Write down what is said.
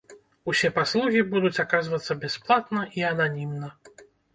Усе паслугі будуць аказвацца бясплатна і ананімна.